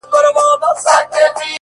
قدم کرار اخله زړه هم لکه ښيښه ماتېږي;